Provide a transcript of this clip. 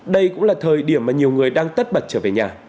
đây cũng là thời điểm mà nhiều người đang tất bật trở về nhà